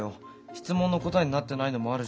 質問の答えになってないのもあるし